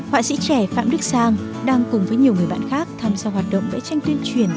họa sĩ trẻ phạm đức sang đang cùng với nhiều người bạn khác tham gia hoạt động vẽ tranh tuyên truyền